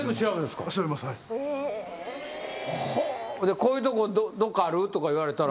こういうとこどっかある？とか言われたら。